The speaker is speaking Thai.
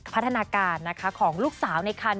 พัฒนาการของลูกสาวในคัน